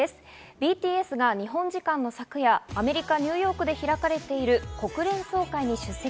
ＢＴＳが日本時間の昨夜、アメリカ・ニューヨークで開かれている国連総会に出席。